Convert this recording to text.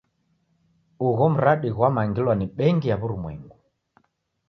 Ugho mradi ghwamangilwa ni bengi ya w'urumwengu.